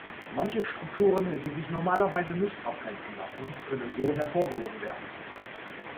Manche Strukturen, die sich normalerweise nicht abgrenzen lassen, können so hervorgehoben werden.